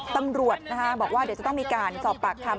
ตำรวจบอกว่าเดี๋ยวจะต้องมีการสอบปากคำ